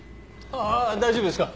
ああ大丈夫ですか？